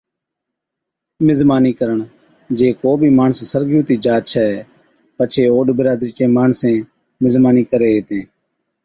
مزمانِي ڪرڻ، جي ڪو بِي ماڻس سرگِي ھُتِي جا ڇَي پڇي اوڏ برادرِي چين ماڻسين مزمانِي ڪري ھِتين